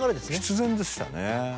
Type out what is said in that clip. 必然でしたね。